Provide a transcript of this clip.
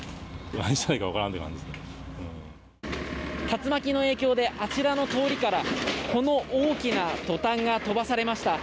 竜巻の影響であちらの通りからこの大きなトタンが飛ばされました。